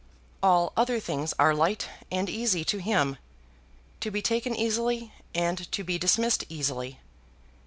All other things are light and easy to him, to be taken easily and to be dismissed easily.